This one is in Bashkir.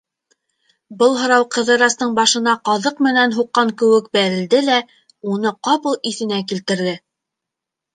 Был һорау Ҡыҙырастың башына ҡаҙыҡ менән һуҡҡан кеүек бәрелде лә уны ҡапыл иҫенә килтерҙе.